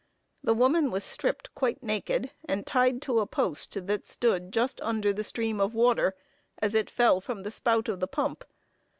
The woman was stripped quite naked, and tied to a post that stood just under the stream of water, as it fell from the spout of the pump.